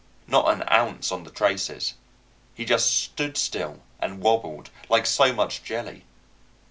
Not an ounce on the traces. He just stood still and wobbled, like so much jelly.